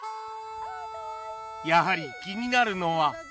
やはり気になるのは